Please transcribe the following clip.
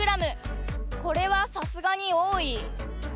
これはさすがに多い？